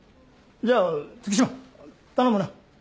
じゃあ月島頼むな。